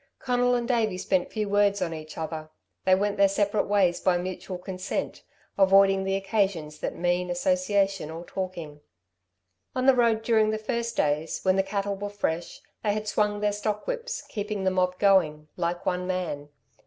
Conal and Davey spent few words on each other. They went their separate ways by mutual consent, avoiding the occasions that mean association or talking. On the road during the first days, when the cattle were fresh, they had swung their stock whips, keeping the mob going, like one man.